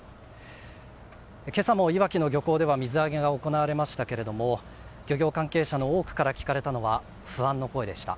今朝も、いわきの漁港では水揚げが行われましたけれども漁業関係者の多くから聞かれたのは不安の声でした。